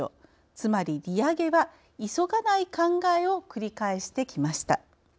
つまり利上げは急がない考えを繰り返してきました。